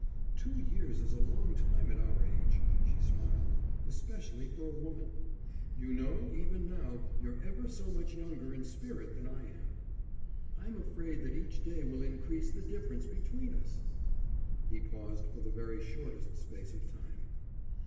"Two years is a long time at our age," she smiled. "Especially for a woman. You know, even now, you're ever so much younger in spirit than I am; I'm afraid that each day will increase the difference between us." He paused for the very shortest space of time.